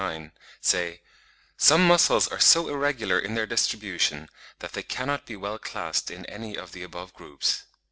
96 98) say, "some muscles are so irregular in their distribution that they cannot be well classed in any of the above groups."